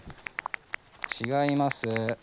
違います。